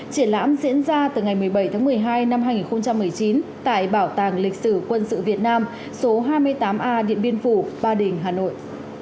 triển lãm diễn ra từ ngày một mươi bảy tháng một mươi hai năm hai nghìn một mươi chín tại bảo tàng lịch sử quân sự việt nam số hai mươi tám a điện biên phủ ba đình hà nội